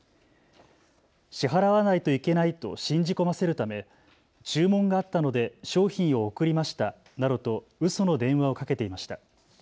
支払わないといけないと信じ込ませるため注文があったので商品を送りましたなどとうその電話をかけていました。